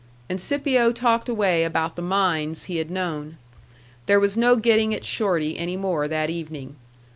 And Scipio talked away about the mines he had known. There was no getting at Shorty any more that evening.